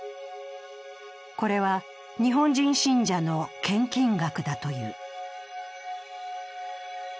これは、日本人信者の献金額だという。